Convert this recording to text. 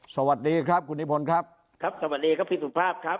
สวัสดีครับคุณนิพนธ์ครับครับสวัสดีครับพี่สุภาพครับ